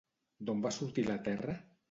D'on va sortir la Terra?